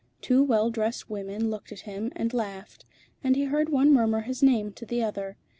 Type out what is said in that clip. Two well dressed women looked at him and laughed, and he heard one murmur his name to the other.